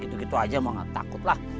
gitu gitu aja mau takut lah